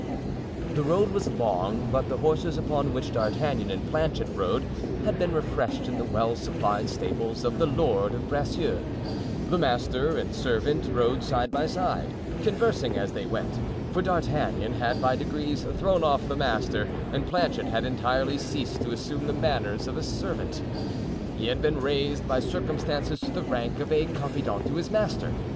The road was long, but the horses upon which D'Artagnan and Planchet rode had been refreshed in the well supplied stables of the Lord of Bracieux; the master and servant rode side by side, conversing as they went, for D'Artagnan had by degrees thrown off the master and Planchet had entirely ceased to assume the manners of a servant. He had been raised by circumstances to the rank of a confidant to his master.